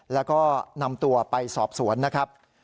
แล้วก็นำตัวไปสอบสวนนะครับ